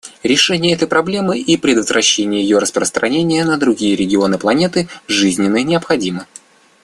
Решение этой проблемы и предотвращение ее распространения на другие регионы планеты жизненно необходимы.